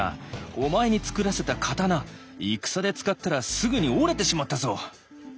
お前に作らせた刀戦で使ったらすぐに折れてしまったぞ」。